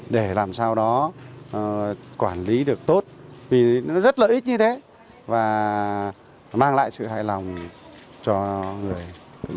để làm sao đó quản lý được tốt vì nó rất lợi ích như thế và mang lại sự hài lòng cho người